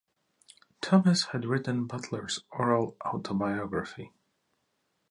Thomas had written Butler's oral autobiography.